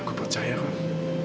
aku percaya kamu